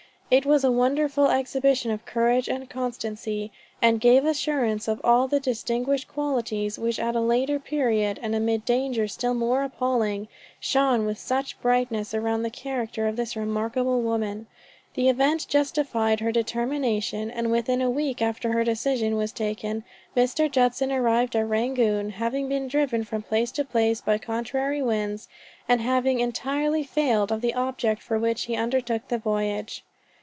It was a wonderful exhibition of courage and constancy; "and gave assurance of all the distinguished qualities, which at a later period, and amid dangers still more appalling, shone with such brightness around the character of this remarkable woman. The event justified her determination; and within a week after her decision was taken, Mr. Judson arrived at Rangoon, having been driven from place to place by contrary winds, and having entirely failed of the object for which he undertook the voyage.